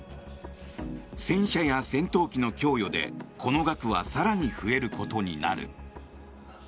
戦車や戦闘機の供与でこの額は更に増えることになる。